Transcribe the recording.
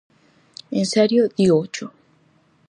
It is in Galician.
En serio dígocho.